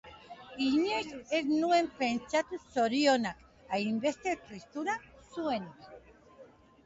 Inoiz ez nuen pentsatu zorionak hainbeste tristura zuenik